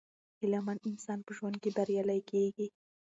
هیله مند انسان په ژوند کې بریالی کیږي.